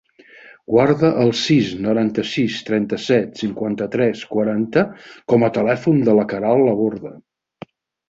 Guarda el sis, noranta-sis, trenta-set, cinquanta-tres, quaranta com a telèfon de la Queralt Laborda.